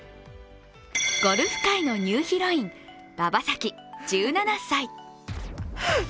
ゴルフ界のニューヒロイン、馬場咲希１７歳。